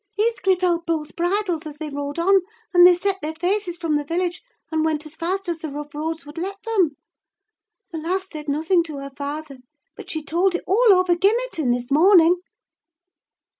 Heathcliff held both bridles as they rode on, and they set their faces from the village, and went as fast as the rough roads would let them. The lass said nothing to her father, but she told it all over Gimmerton this morning."